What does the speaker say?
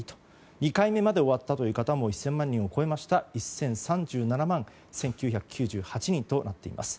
２回目まで終わった方も１０００万人を超えて１０３７万１９９８人となっています。